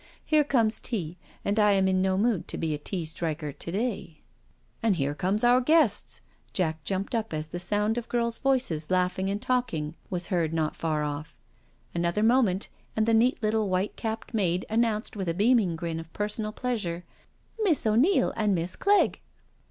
" Here comes tea, and I am in no mood to be a tea striker to day. .•."" And here come our guests I " Jack jumped up as the sound of girls' voices laughing and talking was heard not far off. Another moment and the neat little white capped maid announced with a beaming grin of personal pleasure :." Miss O'Neil and Miss Clegg."